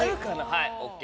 はいＯＫ。